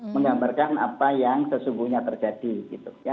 menggambarkan apa yang sesungguhnya terjadi gitu ya